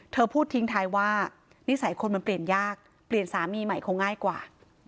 เธอพูดทิ้งท้ายว่านิสัยคนมันเปลี่ยนยากเปลี่ยนสามีใหม่คงง่ายกว่า